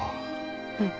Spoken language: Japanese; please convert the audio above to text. うん。